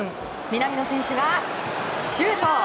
南野選手がシュート！